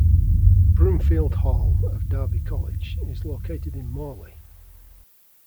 Broomfield Hall of Derby College is located in Morley.